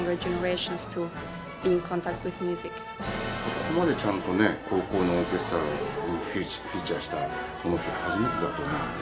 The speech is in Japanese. ここまでちゃんとね高校のオーケストラにフィーチャーしたものって初めてだと思うので。